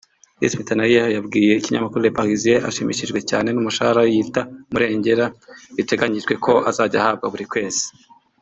Iris Mittenaere yabwiye ikinyamakuru Le Parisien ashimishijwe cyane n’umushahara yita ’umurengera’ biteganyijwe ko azajya ahabwa buri kwezi